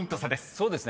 そうですね。